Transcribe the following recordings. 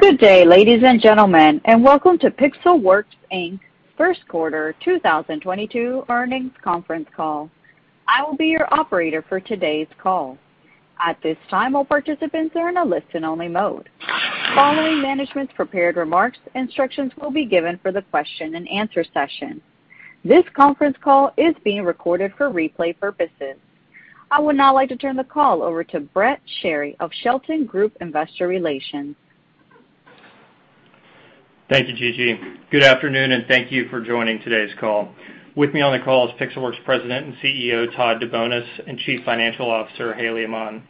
Good day, ladies and gentlemen, and welcome to Pixelworks, Inc.'s first quarter 2022 earnings conference call. I will be your operator for today's call. At this time, all participants are in a listen only mode. Following management's prepared remarks, instructions will be given for the question and answer session. This conference call is being recorded for replay purposes. I would now like to turn the call over to Brett Perry of Shelton Group Investor Relations. Thank you, Gigi. Good afternoon, and thank you for joining today's call. With me on the call is Pixelworks President and CEO, Todd DeBonis, and Chief Financial Officer, Haley Aman.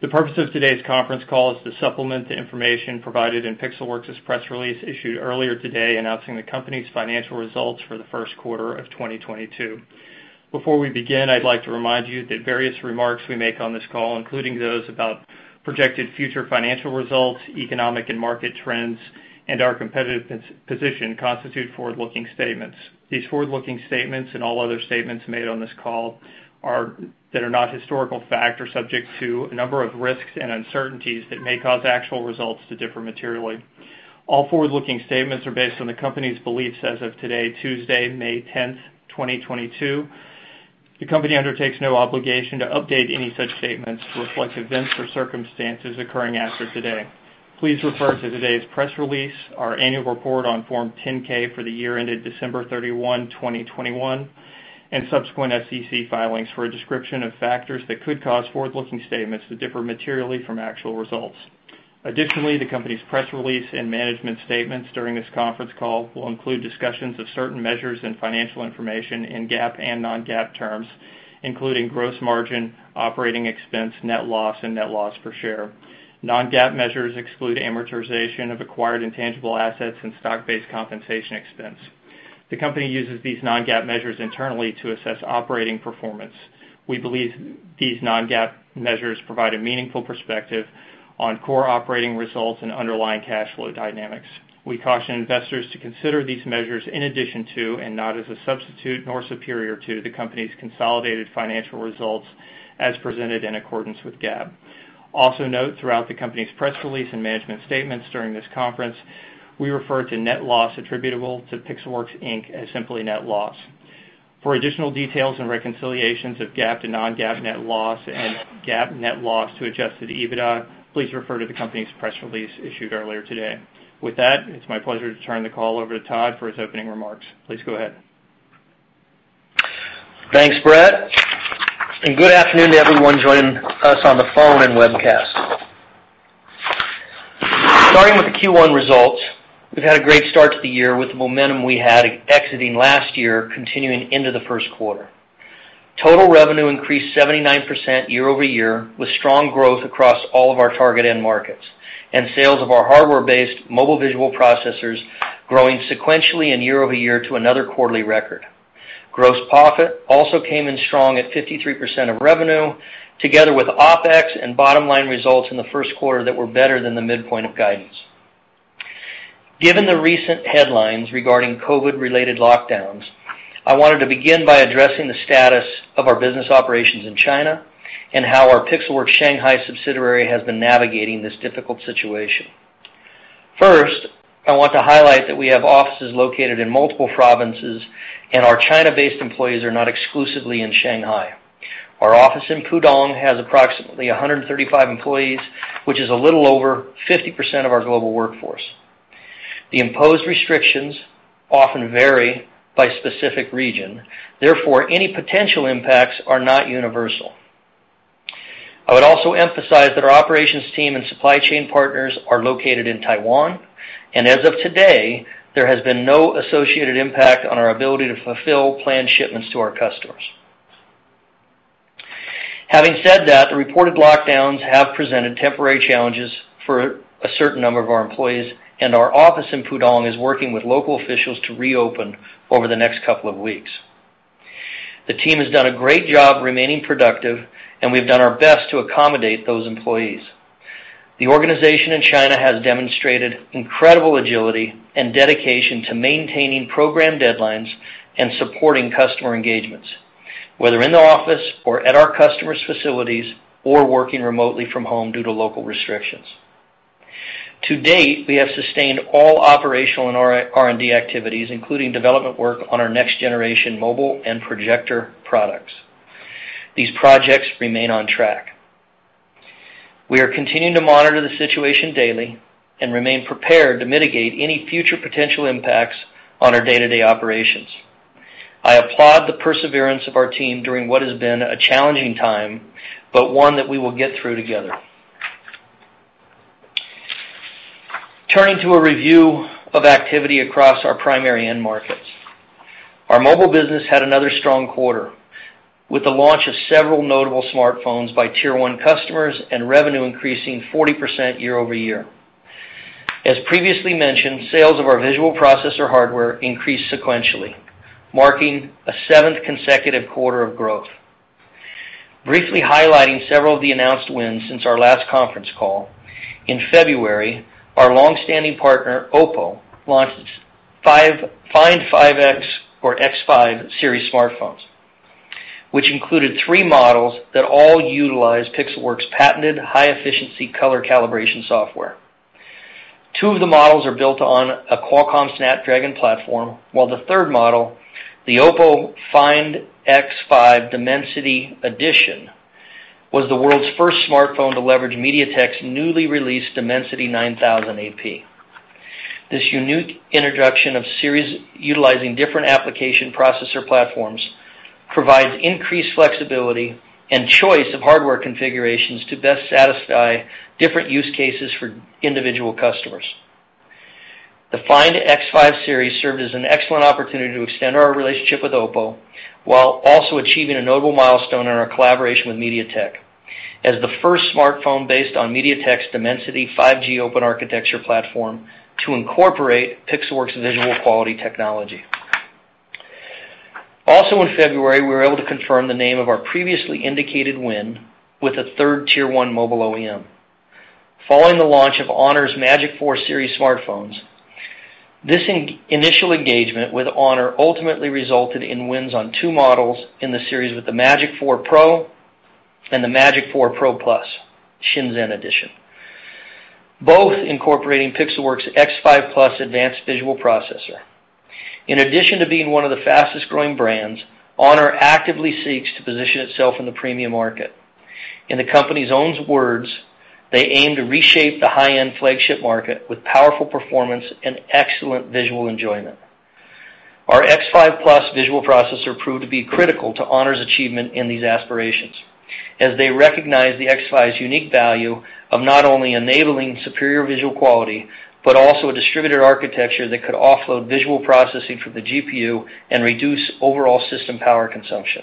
The purpose of today's conference call is to supplement the information provided in Pixelworks' press release issued earlier today announcing the company's financial results for the first quarter of 2022. Before we begin, I'd like to remind you that various remarks we make on this call, including those about projected future financial results, economic and market trends, and our competitive position constitute forward-looking statements. These forward-looking statements and all other statements made on this call that are not historical fact are subject to a number of risks and uncertainties that may cause actual results to differ materially. All forward-looking statements are based on the company's beliefs as of today, Tuesday, May 10th, 2022. The company undertakes no obligation to update any such statements to reflect events or circumstances occurring after today. Please refer to today's press release, our annual report on Form 10-K for the year ended December 31, 2021, and subsequent SEC filings for a description of factors that could cause forward-looking statements to differ materially from actual results. Additionally, the company's press release and management statements during this conference call will include discussions of certain measures and financial information in GAAP and non-GAAP terms, including gross margin, operating expense, net loss, and net loss per share. Non-GAAP measures exclude amortization of acquired intangible assets and stock-based compensation expense. The company uses these non-GAAP measures internally to assess operating performance. We believe these non-GAAP measures provide a meaningful perspective on core operating results and underlying cash flow dynamics. We caution investors to consider these measures in addition to and not as a substitute nor superior to the company's consolidated financial results as presented in accordance with GAAP. Also note throughout the company's press release and management statements during this conference, we refer to net loss attributable to Pixelworks, Inc. as simply net loss. For additional details and reconciliations of GAAP to non-GAAP net loss and GAAP net loss to adjusted EBITDA, please refer to the company's press release issued earlier today. With that, it's my pleasure to turn the call over to Todd for his opening remarks. Please go ahead. Thanks, Brett. Good afternoon to everyone joining us on the phone and webcast. Starting with the Q1 results, we've had a great start to the year with the momentum we had exiting last year continuing into the first quarter. Total revenue increased 79% year-over-year with strong growth across all of our target end markets, and sales of our hardware-based mobile visual processors growing sequentially and year-over-year to another quarterly record. Gross profit also came in strong at 53% of revenue, together with OPEX and bottom line results in the first quarter that were better than the midpoint of guidance. Given the recent headlines regarding COVID-related lockdowns, I wanted to begin by addressing the status of our business operations in China and how our Pixelworks Shanghai subsidiary has been navigating this difficult situation. First, I want to highlight that we have offices located in multiple provinces, and our China-based employees are not exclusively in Shanghai. Our office in Pudong has approximately 135 employees, which is a little over 50% of our global workforce. The imposed restrictions often vary by specific region, therefore, any potential impacts are not universal. I would also emphasize that our operations team and supply chain partners are located in Taiwan, and as of today, there has been no associated impact on our ability to fulfill planned shipments to our customers. Having said that, the reported lockdowns have presented temporary challenges for a certain number of our employees, and our office in Pudong is working with local officials to reopen over the next couple of weeks. The team has done a great job remaining productive, and we've done our best to accommodate those employees. The organization in China has demonstrated incredible agility and dedication to maintaining program deadlines and supporting customer engagements, whether in the office or at our customers' facilities, or working remotely from home due to local restrictions. To date, we have sustained all operational and R&D activities, including development work on our next generation mobile and projector products. These projects remain on track. We are continuing to monitor the situation daily and remain prepared to mitigate any future potential impacts on our day-to-day operations. I applaud the perseverance of our team during what has been a challenging time, but one that we will get through together. Turning to a review of activity across our primary end markets. Our mobile business had another strong quarter with the launch of several notable smartphones by tier one customers and revenue increasing 40% year-over-year. As previously mentioned, sales of our visual processor hardware increased sequentially, marking a seventh consecutive quarter of growth. Briefly highlighting several of the announced wins since our last conference call, in February, our long-standing partner, OPPO, launched the Find X5 series smartphones, which included three models that all utilize Pixelworks' patented high-efficiency color calibration software. Two of the models are built on a Qualcomm Snapdragon platform, while the third model, the OPPO Find X5 Dimensity Edition, was the world's first smartphone to leverage MediaTek's newly released Dimensity 9000 AP. This unique introduction of series utilizing different application processor platforms provides increased flexibility and choice of hardware configurations to best satisfy different use cases for individual customers. The Find X5 series served as an excellent opportunity to extend our relationship with OPPO while also achieving a notable milestone in our collaboration with MediaTek as the first smartphone based on MediaTek's Dimensity 5G open architecture platform to incorporate Pixelworks visual quality technology. In February, we were able to confirm the name of our previously indicated win with a third Tier 1 mobile OEM following the launch of HONOR's Magic4 series smartphones. This initial engagement with HONOR ultimately resulted in wins on two models in the series with the Magic4 Pro and the Magic4 Ultimate, both incorporating Pixelworks' X5 Plus advanced visual processor. In addition to being one of the fastest-growing brands, HONOR actively seeks to position itself in the premium market. In the company's own words, they aim to reshape the high-end flagship market with powerful performance and excellent visual enjoyment. Our X5+ visual processor proved to be critical to HONOR's achievement in these aspirations as they recognize the X5's unique value of not only enabling superior visual quality, but also a distributor architecture that could offload visual processing from the GPU and reduce overall system power consumption.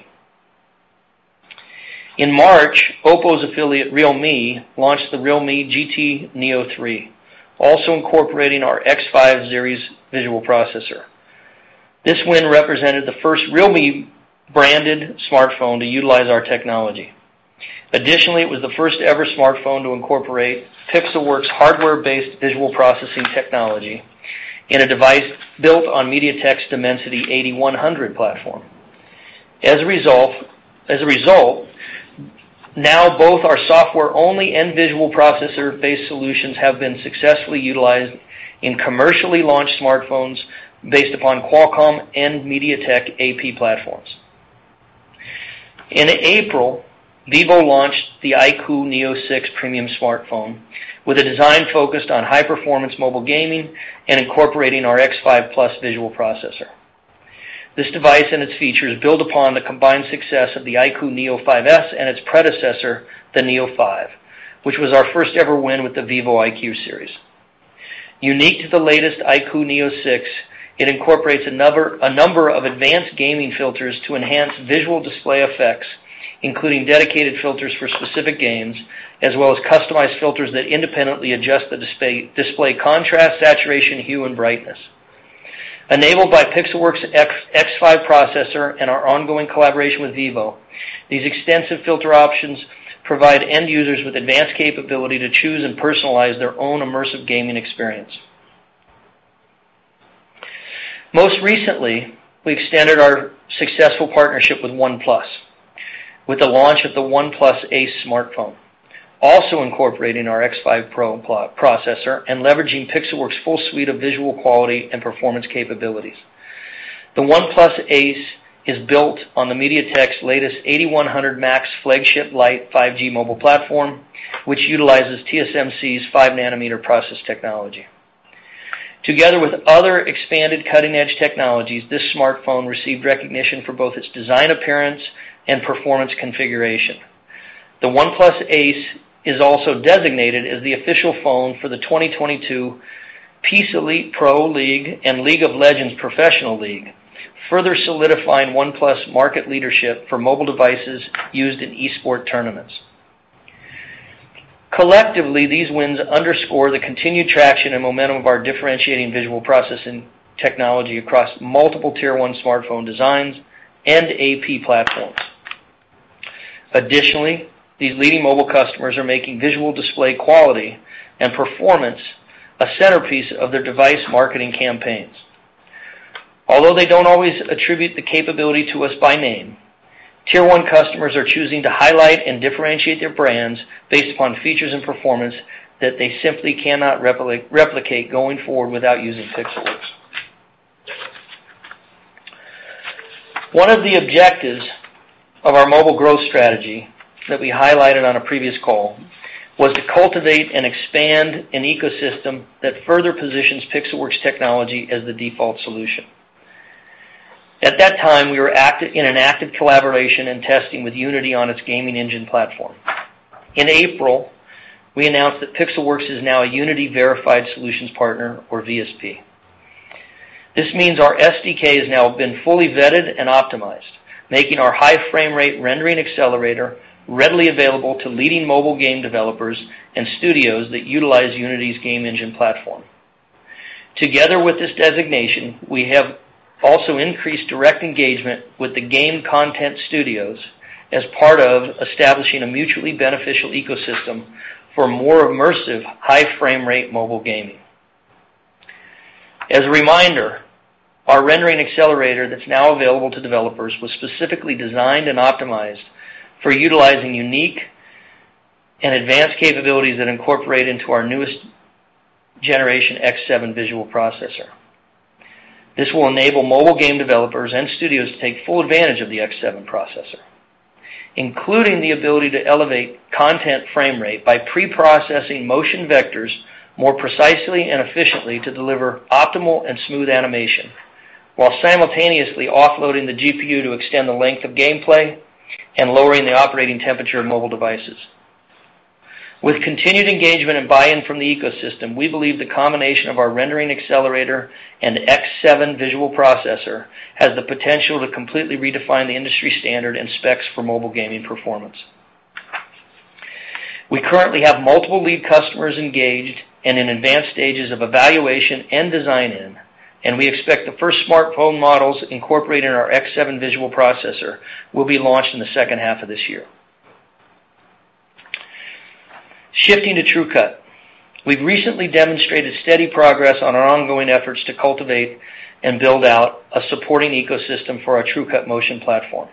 In March, OPPO's affiliate, realme, launched the realme GT Neo 3, also incorporating our X5 series visual processor. This win represented the first realme-branded smartphone to utilize our technology. Additionally, it was the first ever smartphone to incorporate Pixelworks hardware-based visual processing technology in a device built on MediaTek's Dimensity 8100 platform. As a result, now both our software-only and visual processor-based solutions have been successfully utilized in commercially launched smartphones based upon Qualcomm and MediaTek AP platforms. In April, vivo launched the iQOO Neo6 premium smartphone with a design focused on high-performance mobile gaming and incorporating our X5 Plus visual processor. This device and its features build upon the combined success of the iQOO Neo5S and its predecessor, the Neo5, which was our first ever win with the vivo iQOO series. Unique to the latest iQOO Neo6, it incorporates a number of advanced gaming filters to enhance visual display effects, including dedicated filters for specific games, as well as customized filters that independently adjust the display contrast, saturation, hue, and brightness. Enabled by Pixelworks' X5 processor and our ongoing collaboration with vivo, these extensive filter options provide end users with advanced capability to choose and personalize their own immersive gaming experience. Most recently, we extended our successful partnership with OnePlus with the launch of the OnePlus Ace smartphone, also incorporating our X5 Pro processor and leveraging Pixelworks' full suite of visual quality and performance capabilities. The OnePlus Ace is built on MediaTek's latest 8100-MAX flagship-light 5G mobile platform, which utilizes TSMC's 5nm process technology. Together with other expanded cutting-edge technologies, this smartphone received recognition for both its design appearance and performance configuration. The OnePlus Ace is also designated as the official phone for the 2022 Peacekeeper Elite League and League of Legends Pro League, further solidifying OnePlus market leadership for mobile devices used in esports tournaments. Collectively, these wins underscore the continued traction and momentum of our differentiating visual processing technology across multiple tier one smartphone designs and AP platforms. Additionally, these leading mobile customers are making visual display quality and performance a centerpiece of their device marketing campaigns. Although they don't always attribute the capability to us by name, tier one customers are choosing to highlight and differentiate their brands based upon features and performance that they simply cannot replicate going forward without using Pixelworks. One of the objectives of our mobile growth strategy that we highlighted on a previous call was to cultivate and expand an ecosystem that further positions Pixelworks technology as the default solution. At that time, we were in an active collaboration and testing with Unity on its game engine platform. In April, we announced that Pixelworks is now a Unity verified solutions partner or VSP. This means our SDK has now been fully vetted and optimized, making our high frame rate Rendering Accelerator readily available to leading mobile game developers and studios that utilize Unity's game engine platform. Together with this designation, we have also increased direct engagement with the game content studios as part of establishing a mutually beneficial ecosystem for more immersive high frame rate mobile gaming. As a reminder, our Rendering Accelerator that's now available to developers was specifically designed and optimized for utilizing unique and advanced capabilities that incorporate into our newest generation X7 visual processor. This will enable mobile game developers and studios to take full advantage of the X7 processor, including the ability to elevate content frame rate by pre-processing motion vectors more precisely and efficiently to deliver optimal and smooth animation, while simultaneously offloading the GPU to extend the length of gameplay and lowering the operating temperature of mobile devices. With continued engagement and buy-in from the ecosystem, we believe the combination of our Rendering Accelerator and X7 visual processor has the potential to completely redefine the industry standard and specs for mobile gaming performance. We currently have multiple lead customers engaged and in advanced stages of evaluation and design-in, and we expect the first smartphone models incorporating our X7 visual processor will be launched in the second half of this year. Shifting to TrueCut, we've recently demonstrated steady progress on our ongoing efforts to cultivate and build out a supporting ecosystem for our TrueCut Motion platform.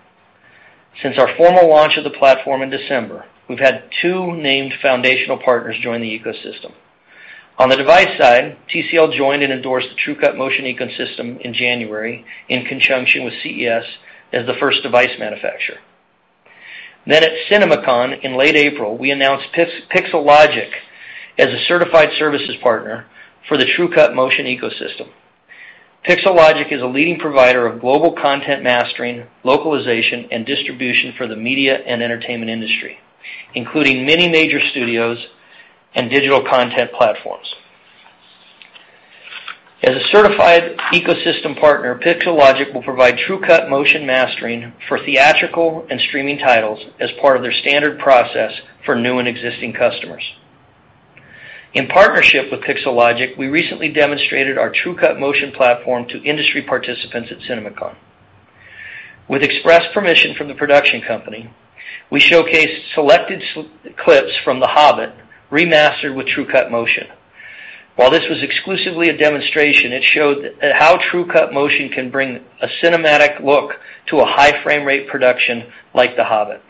Since our formal launch of the platform in December, we've had two named foundational partners join the ecosystem. On the device side, TCL joined and endorsed the TrueCut Motion ecosystem in January in conjunction with CES as the first device manufacturer. At CinemaCon in late April, we announced Pixelogic as a certified services partner for the TrueCut Motion ecosystem. Pixelogic is a leading provider of global content mastering, localization, and distribution for the media and entertainment industry, including many major studios and digital content platforms. As a certified ecosystem partner, Pixelogic will provide TrueCut Motion mastering for theatrical and streaming titles as part of their standard process for new and existing customers. In partnership with Pixelogic, we recently demonstrated our TrueCut Motion platform to industry participants at CinemaCon. With express permission from the production company, we showcased selected clips from The Hobbit remastered with TrueCut Motion. While this was exclusively a demonstration, it showed how TrueCut Motion can bring a cinematic look to a high frame rate production like The Hobbit.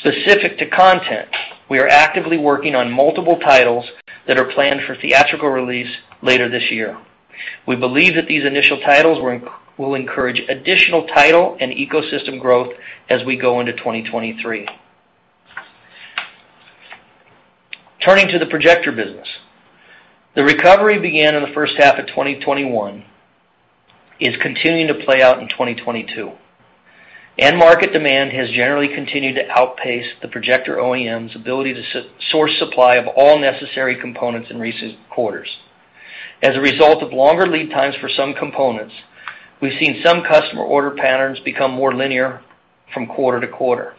Specific to content, we are actively working on multiple titles that are planned for theatrical release later this year. We believe that these initial titles will encourage additional title and ecosystem growth as we go into 2023. Turning to the projector business. The recovery began in the first half of 2021 is continuing to play out in 2022, and market demand has generally continued to outpace the projector OEMs' ability to source supply of all necessary components in recent quarters. As a result of longer lead times for some components, we've seen some customer order patterns become more linear from quarter to quarter.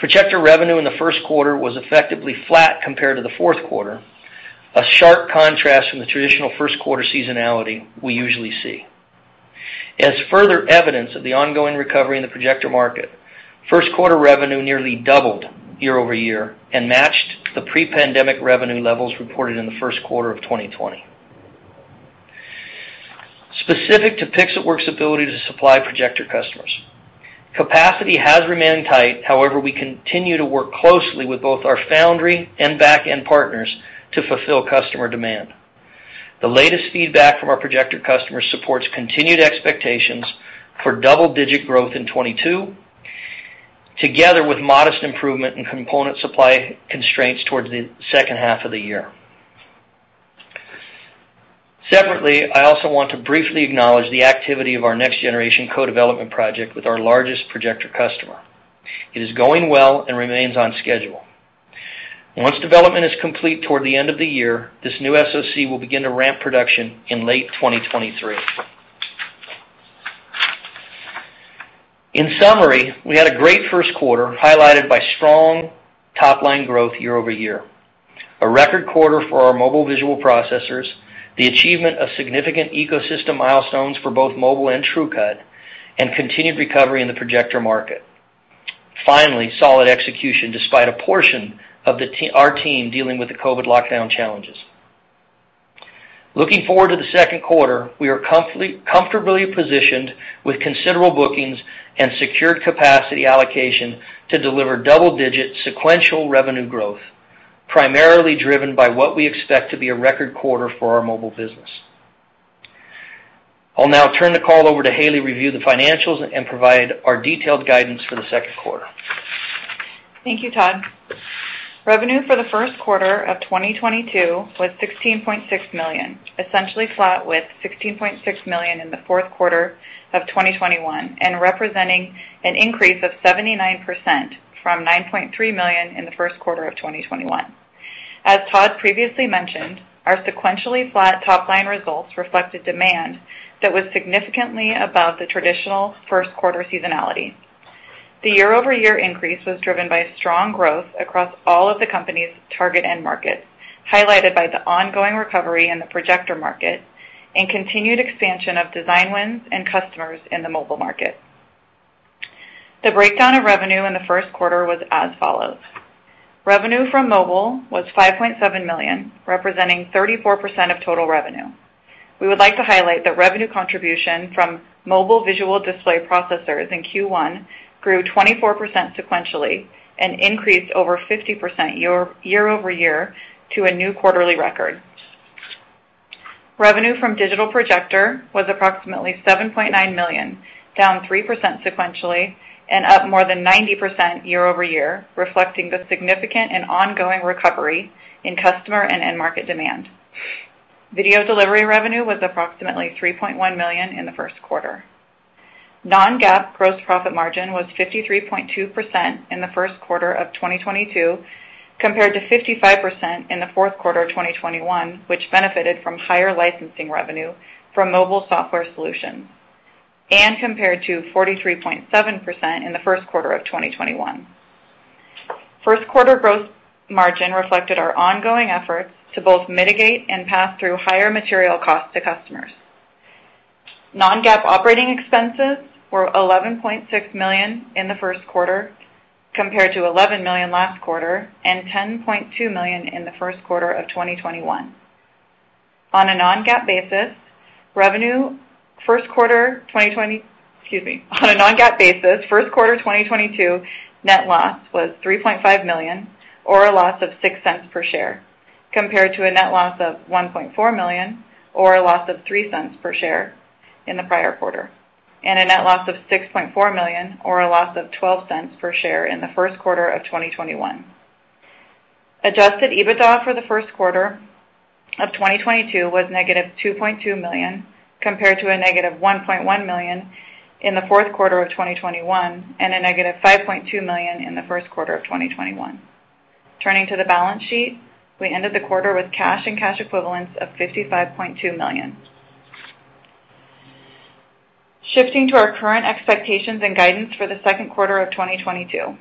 Projector revenue in the first quarter was effectively flat compared to the fourth quarter, a sharp contrast from the traditional first quarter seasonality we usually see. As further evidence of the ongoing recovery in the projector market, first quarter revenue nearly doubled year-over-year and matched the pre-pandemic revenue levels reported in the first quarter of 2020. Specific to Pixelworks' ability to supply projector customers, capacity has remained tight. However, we continue to work closely with both our foundry and back-end partners to fulfill customer demand. The latest feedback from our projector customers supports continued expectations for double-digit growth in 2022, together with modest improvement in component supply constraints towards the second half of the year. Separately, I also want to briefly acknowledge the activity of our next-generation co-development project with our largest projector customer. It is going well and remains on schedule. Once development is complete toward the end of the year, this new SoC will begin to ramp production in late 2023. In summary, we had a great first quarter highlighted by strong top-line growth year-over-year, a record quarter for our mobile visual processors, the achievement of significant ecosystem milestones for both mobile and TrueCut, and continued recovery in the projector market. Finally, solid execution despite a portion of the team, our team dealing with the COVID lockdown challenges. Looking forward to the second quarter, we are comfortably positioned with considerable bookings and secured capacity allocation to deliver double-digit sequential revenue growth, primarily driven by what we expect to be a record quarter for our mobile business. I'll now turn the call over to Haley to review the financials and provide our detailed guidance for the second quarter. Thank you, Todd. Revenue for the first quarter of 2022 was $16.6 million, essentially flat with $16.6 million in the fourth quarter of 2021 and representing an increase of 79% from $9.3 million in the first quarter of 2021. As Todd previously mentioned, our sequentially flat top-line results reflected demand that was significantly above the traditional first quarter seasonality. The year-over-year increase was driven by strong growth across all of the company's target end markets, highlighted by the ongoing recovery in the projector market and continued expansion of design wins and customers in the mobile market. The breakdown of revenue in the first quarter was as follows. Revenue from mobile was $5.7 million, representing 34% of total revenue. We would like to highlight that revenue contribution from mobile visual display processors in Q1 grew 24% sequentially and increased over 50% year-over-year to a new quarterly record. Revenue from digital projection was approximately $7.9 million, down 3% sequentially and up more than 90% year-over-year, reflecting the significant and ongoing recovery in customer and end market demand. Video delivery revenue was approximately $3.1 million in the first quarter. Non-GAAP gross profit margin was 53.2% in the first quarter of 2022, compared to 55% in the fourth quarter of 2021, which benefited from higher licensing revenue from mobile software solutions, and compared to 43.7% in the first quarter of 2021. First quarter gross margin reflected our ongoing efforts to both mitigate and pass through higher material costs to customers. Non-GAAP operating expenses were $11.6 million in the first quarter, compared to $11 million last quarter and $10.2 million in the first quarter of 2021. On a non-GAAP basis, first quarter 2022 net loss was $3.5 million or a loss of $0.06 per share, compared to a net loss of $1.4 million or a loss of $0.03 per share in the prior quarter, and a net loss of $6.4 million or a loss of $0.12 per share in the first quarter of 2021. Adjusted EBITDA for the first quarter of 2022 was -$2.2 million compared to -$1.1 million in the fourth quarter of 2021 and -$5.2 million in the first quarter of 2021. Turning to the balance sheet, we ended the quarter with cash and cash equivalents of $55.2 million. Shifting to our current expectations and guidance for the second quarter of 2022.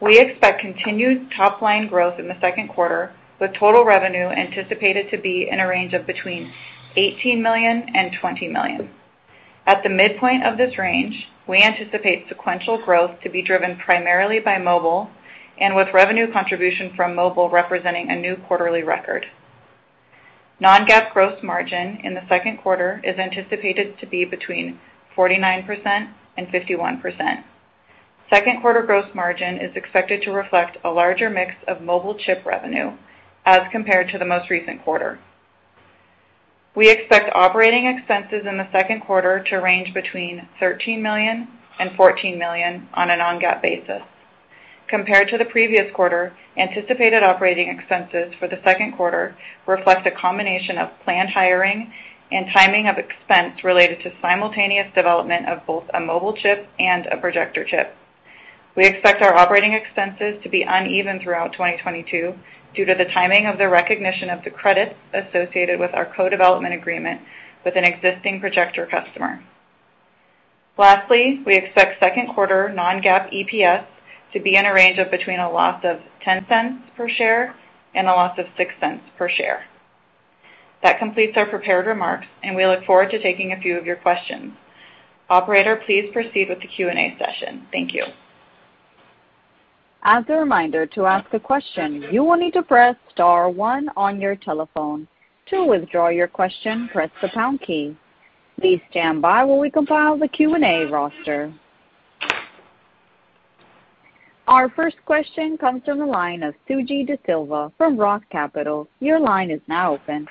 We expect continued top line growth in the second quarter, with total revenue anticipated to be in a range of between $18 million and $20 million. At the midpoint of this range, we anticipate sequential growth to be driven primarily by mobile and with revenue contribution from mobile representing a new quarterly record. Non-GAAP gross margin in the second quarter is anticipated to be between 49% and 51%. Second quarter gross margin is expected to reflect a larger mix of mobile chip revenue as compared to the most recent quarter. We expect operating expenses in the second quarter to range between $13 million and $14 million on a non-GAAP basis. Compared to the previous quarter, anticipated operating expenses for the second quarter reflect a combination of planned hiring and timing of expense related to simultaneous development of both a mobile chip and a projector chip. We expect our operating expenses to be uneven throughout 2022 due to the timing of the recognition of the credits associated with our co-development agreement with an existing projector customer. Lastly, we expect second quarter non-GAAP EPS to be in a range of between a loss of $0.10 per share and a loss of $0.06 per share. That completes our prepared remarks, and we look forward to taking a few of your questions. Operator, please proceed with the Q&A session. Thank you. As a reminder, to ask a question, you will need to press star one on your telephone. To withdraw your question, press the pound key. Please stand by while we compile the Q&A roster. Our first question comes from the line of Suji Desilva from Roth Capital. Your line is now open.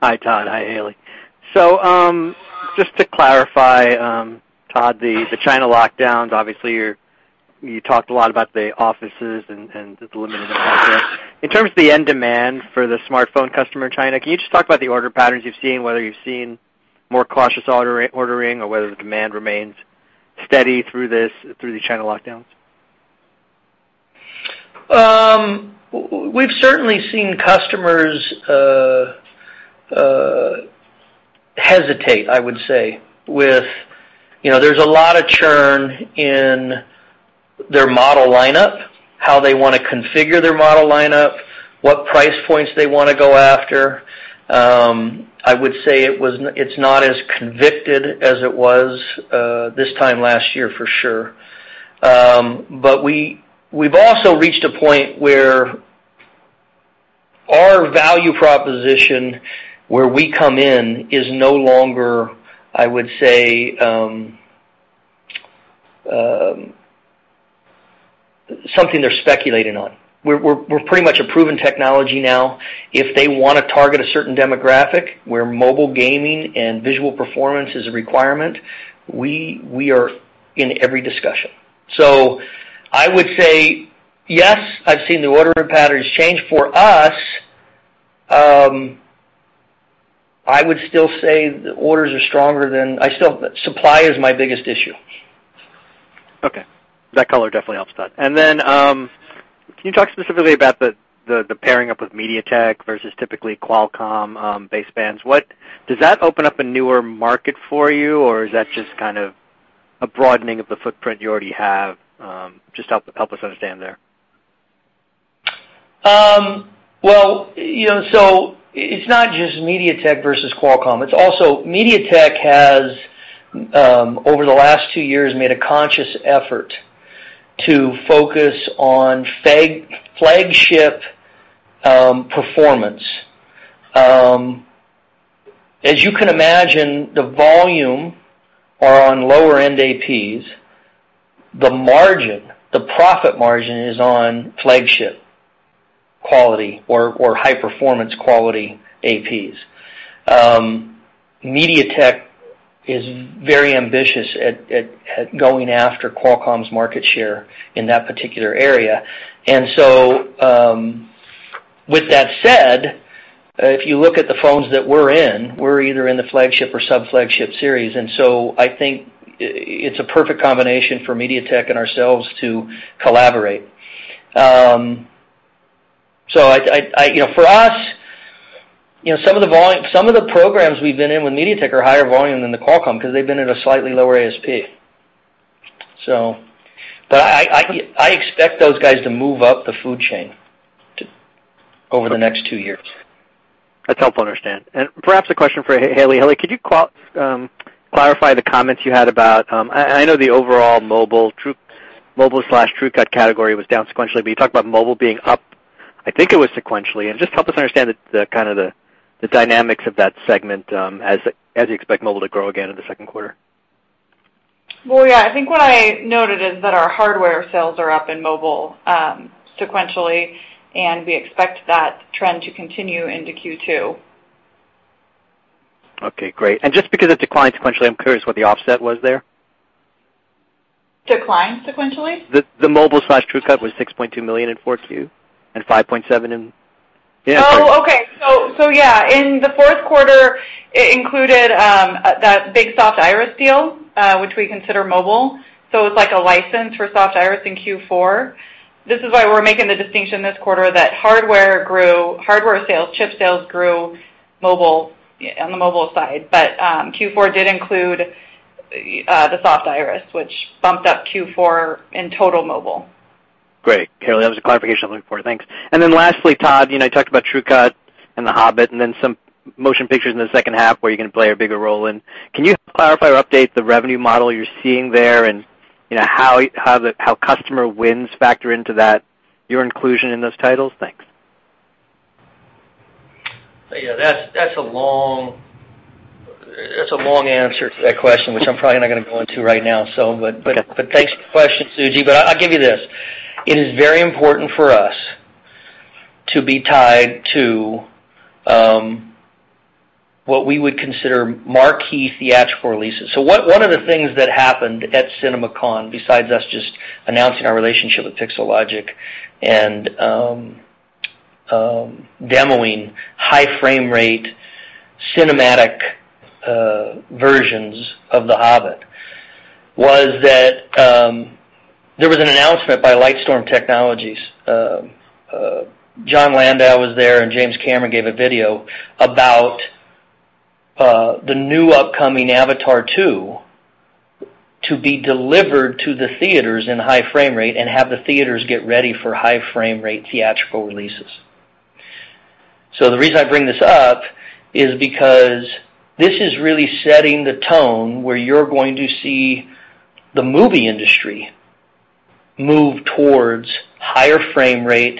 Hi, Todd. Hi, Haley. Just to clarify, Todd, the China lockdowns, obviously you talked a lot about the offices and the limited impact there. In terms of the end demand for the smartphone customer in China, can you just talk about the order patterns you've seen, whether you've seen more cautious order ordering or whether the demand remains steady through the China lockdowns? We've certainly seen customers hesitate, I would say, with you know, there's a lot of churn in their model lineup, how they wanna configure their model lineup, what price points they wanna go after. I would say it's not as committed as it was this time last year for sure. We've also reached a point where our value proposition where we come in is no longer, I would say, something they're speculating on. We're pretty much a proven technology now. If they wanna target a certain demographic where mobile gaming and visual performance is a requirement, we are in every discussion. I would say, yes, I've seen the ordering patterns change. For us, I would still say the orders are stronger. Supply is my biggest issue. Okay. That color definitely helps that. Then, can you talk specifically about the pairing up with MediaTek versus typically Qualcomm basebands? What does that open up a newer market for you, or is that just kind of a broadening of the footprint you already have? Just help us understand there. Well, you know, it's not just MediaTek versus Qualcomm. It's also MediaTek has, over the last two years, made a conscious effort to focus on flagship performance. As you can imagine, the volume are on lower end APs. The margin, the profit margin is on flagship quality or high-performance quality APs. MediaTek is very ambitious at going after Qualcomm's market share in that particular area. With that said, if you look at the phones that we're in, we're either in the flagship or sub-flagship series, and so I think it's a perfect combination for MediaTek and ourselves to collaborate. You know, for us, you know, some of the programs we've been in with MediaTek are higher volume than the Qualcomm because they've been at a slightly lower ASP. I expect those guys to move up the food chain over the next two years. That's helpful to understand. Perhaps a question for Haley. Haley, could you clarify the comments you had about, I know the overall mobile TrueCut category was down sequentially, but you talked about mobile being up, I think it was sequentially. Just help us understand the kind of dynamics of that segment, as you expect mobile to grow again in the second quarter. Well, yeah. I think what I noted is that our hardware sales are up in mobile, sequentially, and we expect that trend to continue into Q2. Okay, great. Just because it declined sequentially, I'm curious what the offset was there. Declined sequentially? The mobile TrueCut was $6.2 million in Q4 and $5.7 million. Yeah. In the fourth quarter, it included that big Soft Iris deal, which we consider mobile. It's like a license for Soft Iris in Q4. This is why we're making the distinction this quarter that hardware grew, hardware sales, chip sales grew mobile, on the mobile side. Q4 did include the Soft Iris, which bumped up Q4 in total mobile. Great. Haley, that was the clarification I'm looking for. Thanks. Lastly, Todd, you know, you talked about TrueCut and The Hobbit, and then some motion pictures in the second half where you're gonna play a bigger role in. Can you clarify or update the revenue model you're seeing there and, you know, how the customer wins factor into that, your inclusion in those titles? Thanks. Yeah. That's a long answer to that question, which I'm probably not gonna go into right now. Thanks for the question, Suji. I'll give you this. It is very important for us to be tied to what we would consider marquee theatrical releases. One of the things that happened at CinemaCon, besides us just announcing our relationship with Pixelogic and demoing high frame rate cinematic versions of The Hobbit, was that there was an announcement by Lightstorm Entertainment. Jon Landau was there, and James Cameron gave a video about the new upcoming Avatar Two to be delivered to the theaters in high frame rate and have the theaters get ready for high frame rate theatrical releases. The reason I bring this up is because this is really setting the tone where you're going to see the movie industry move towards higher frame rate,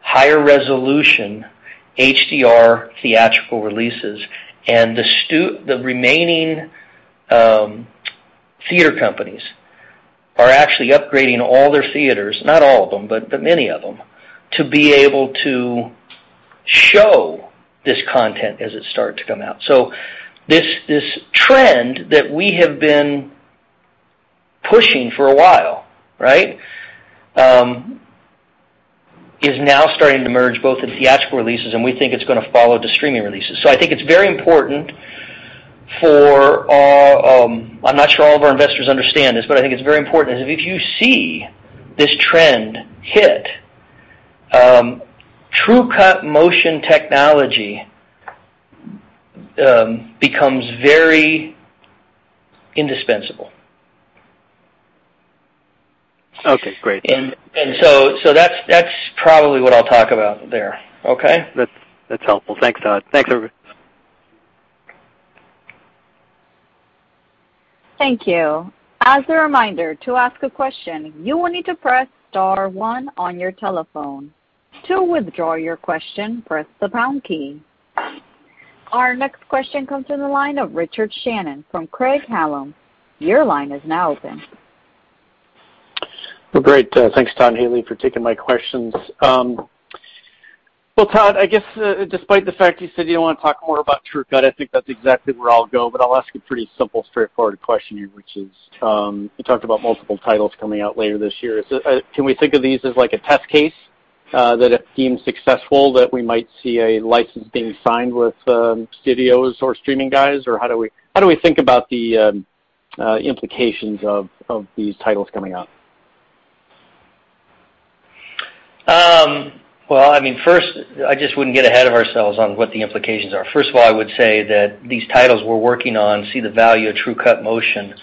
higher resolution HDR theatrical releases. The remaining theater companies are actually upgrading all their theaters, not all of them, but many of them, to be able to show this content as it starts to come out. This trend that we have been pushing for a while, right, is now starting to merge both in theatrical releases, and we think it's gonna follow the streaming releases. I think it's very important for all. I'm not sure all of our investors understand this, but I think it's very important. If you see this trend hit, TrueCut Motion technology becomes very indispensable. Okay, great. That's probably what I'll talk about there. Okay? That's helpful. Thanks, Todd. Thanks, every- Thank you. As a reminder, to ask a question, you will need to press star one on your telephone. To withdraw your question, press the pound key. Our next question comes from the line of Richard Shannon from Craig-Hallum. Your line is now open. Great. Thanks, Todd and Haley, for taking my questions. Well, Todd, I guess, despite the fact you said you don't wanna talk more about TrueCut, I think that's exactly where I'll go, but I'll ask a pretty simple, straightforward question here, which is, you talked about multiple titles coming out later this year. Can we think of these as like a test case, that if deemed successful, that we might see a license being signed with, studios or streaming guys? Or how do we think about the implications of these titles coming out? Well, I mean, first, I just wouldn't get ahead of ourselves on what the implications are. First of all, I would say that these titles we're working on see the value of TrueCut Motion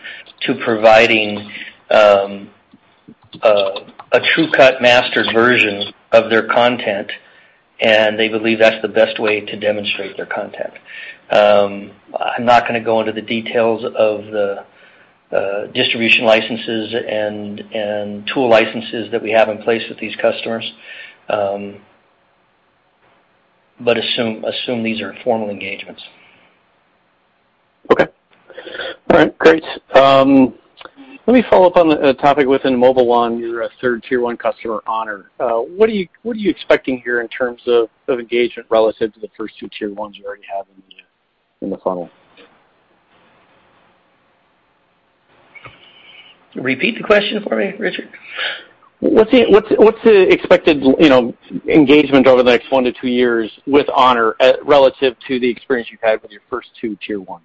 to providing a TrueCut master version of their content, and they believe that's the best way to demonstrate their content. I'm not gonna go into the details of the distribution licenses and tool licenses that we have in place with these customers, but assume these are formal engagements. Okay. All right. Great. Let me follow up on the topic within Mobile One, your third tier one customer, HONOR. What are you expecting here in terms of engagement relative to the first two tier ones you already have in the funnel? Repeat the question for me, Richard. What's the expected, you know, engagement over the next one to two years with HONOR, relative to the experience you've had with your first two Tier 1?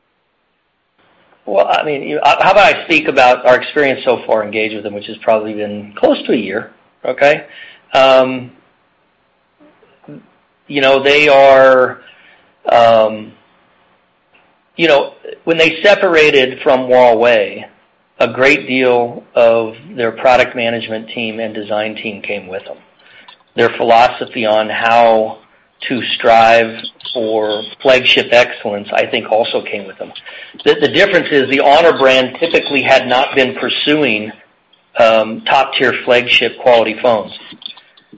Well, I mean, how about I speak about our experience so far engaged with them, which has probably been close to a year, okay? When they separated from Huawei, a great deal of their product management team and design team came with them. Their philosophy on how to strive for flagship excellence, I think, also came with them. The difference is the HONOR brand typically had not been pursuing top-tier flagship quality phones.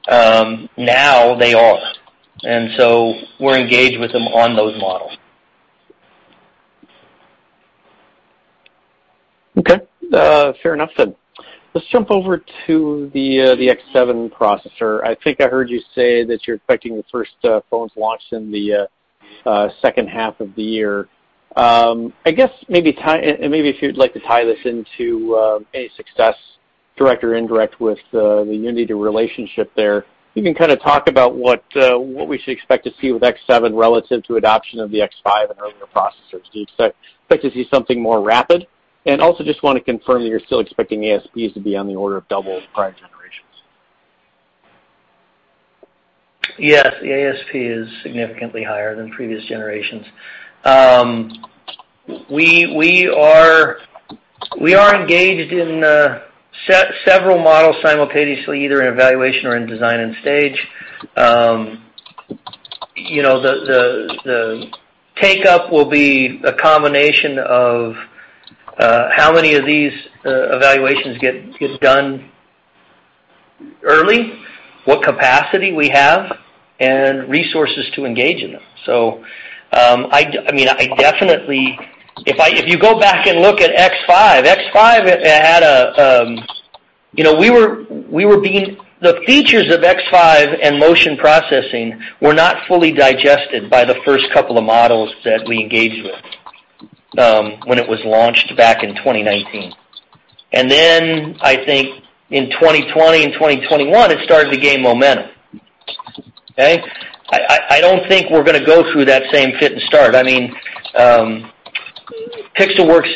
Now they are, and so we're engaged with them on those models. Okay. Fair enough then. Let's jump over to the X7 processor. I think I heard you say that you're expecting the first phones launched in the second half of the year. I guess maybe and maybe if you'd like to tie this into any success, direct or indirect, with the Unity relationship there. You can kinda talk about what we should expect to see with X7 relative to adoption of the X5 and earlier processors. Do you expect to see something more rapid? And also just wanna confirm that you're still expecting ASPs to be on the order of double prior generations. Yes, the ASP is significantly higher than previous generations. We are engaged in several models simultaneously, either in evaluation or in design and stage. You know, the take-up will be a combination of how many of these evaluations get done early, what capacity we have, and resources to engage in them. I mean, I definitely. If you go back and look at X5 had a. You know, we were being. The features of X5 and motion processing were not fully digested by the first couple of models that we engaged with, when it was launched back in 2019. Then I think in 2020 and 2021, it started to gain momentum. Okay. I don't think we're gonna go through that same false start. I mean, Pixelworks'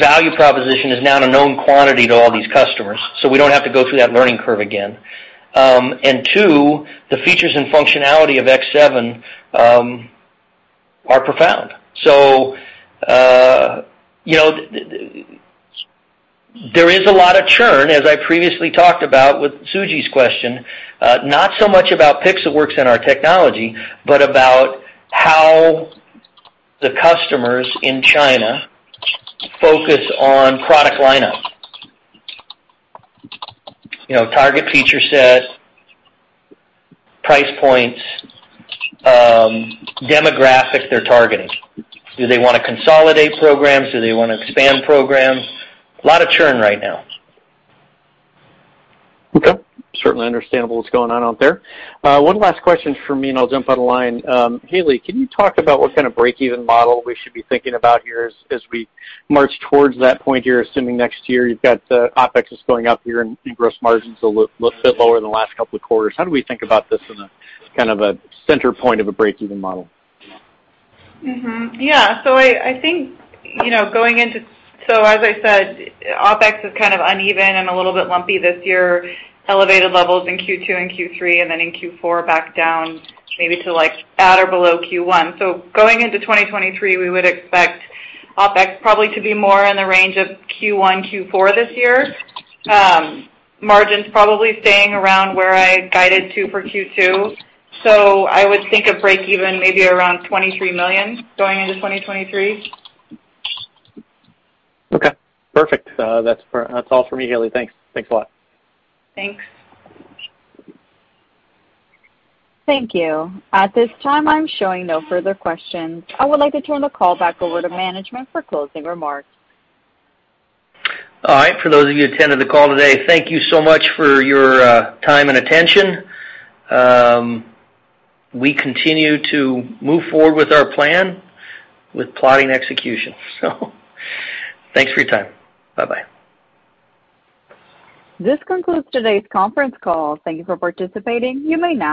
value proposition is now a known quantity to all these customers, so we don't have to go through that learning curve again. Two, the features and functionality of X7 are profound. You know, there is a lot of churn, as I previously talked about with Suji's question, not so much about Pixelworks and our technology, but about how the customers in China focus on product lineup. You know, target feature set, price points, demographics they're targeting. Do they wanna consolidate programs? Do they wanna expand programs? A lot of churn right now. Okay. Certainly understandable what's going on out there. One last question from me, and I'll jump out of line. Haley, can you talk about what kind of break-even model we should be thinking about here as we march towards that point here, assuming next year you've got OPEX is going up here and gross margins a little bit lower than the last couple of quarters. How do we think about this in a kind of a center point of a break-even model? I think you know going into, as I said, OPEX is kind of uneven and a little bit lumpy this year, elevated levels in Q2 and Q3, and then in Q4 back down maybe to, like, at or below Q1. Going into 2023, we would expect OPEX probably to be more in the range of Q1, Q4 this year. Margins probably staying around where I guided to for Q2. I would think a break even maybe around $23 million going into 2023. Okay. Perfect. That's all for me, Haley. Thanks. Thanks a lot. Thanks. Thank you. At this time, I'm showing no further questions. I would like to turn the call back over to management for closing remarks. All right. For those of you attending the call today, thank you so much for your time and attention. We continue to move forward with our plan, with plotting execution. Thanks for your time. Bye-bye. This concludes today's conference call. Thank you for participating. You may now